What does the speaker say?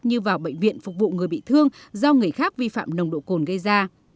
cho bệnh viện phục vụ người bị thương do người khác vi phạm nồng độ cồn gây ra